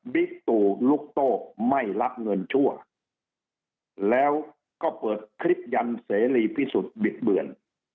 ตู่ลูกโต้ไม่รับเงินชั่วแล้วก็เปิดคลิปยันเสรีพิสุทธิบิดเบือน